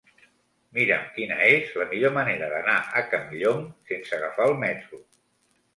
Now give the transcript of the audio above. Mira'm quina és la millor manera d'anar a Campllong sense agafar el metro.